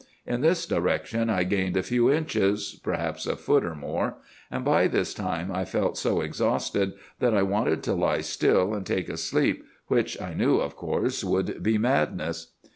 In this direction I gained a few inches,—perhaps a foot, or more; and by this time I felt so exhausted that I wanted to lie still and take a sleep, which, I knew, of course, would be madness.